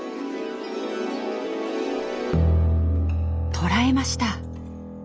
捕らえました。